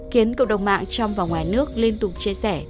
khiến cộng đồng mạng trong và ngoài nước liên tục chia sẻ